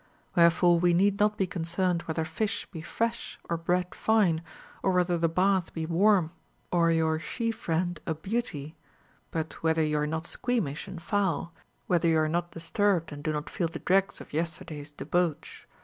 Wherefore we need not be concerned whether fish be fresh or bread fine, or whether the bath be warm or your she friend a beauty ; but whether you are not squeamish and foul, whether you are not disturbed and do not feel the dregs of yesterday's debauch.